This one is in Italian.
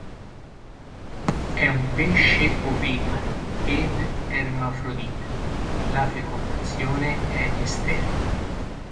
È un pesce oviparo ed ermafrodita; la fecondazione è esterna.